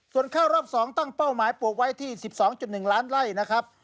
ส่วนข้าวรอบ๒ตั้งเป้าหมายปลูกไว้ที่๑๒๑ล้านไล่นะครับ